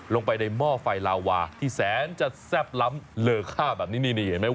ลงไปในหม้อไฟลาวาที่แสนจะแซ่บล้ำเลอค่าแบบนี้นี่เห็นไหม